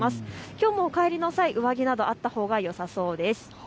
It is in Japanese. きょうもお帰りの際、上着などがあったほうがよさそうです。